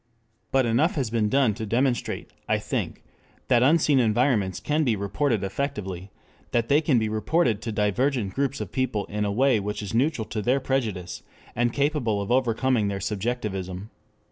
But enough has been done to demonstrate, I think, that unseen environments can be reported effectively, that they can be reported to divergent groups of people in a way which is neutral to their prejudice, and capable of overcoming their subjectivism.